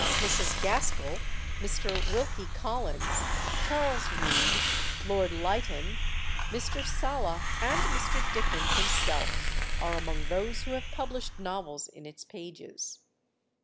Mrs. Gaskell, Mr. Wilkie Collins, Charles Reade, Lord Lytton, Mr. Sala, and Mr. Dickens himself, are among those who have published novels in its pages.